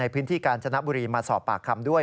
พื้นที่กาญจนบุรีมาสอบปากคำด้วย